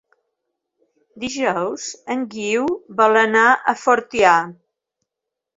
Dijous en Guiu vol anar a Fortià.